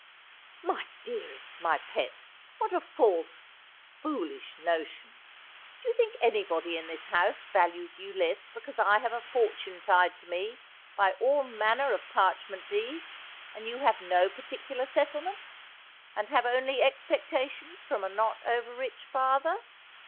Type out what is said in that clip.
' My dearest, my pet, what a false, foolish notion ! Do you think anybody in this house values you less because I have a fortune tied to me by all manner of parchment deeds, and you have no particular settlement, and have only expectations from a not over rich father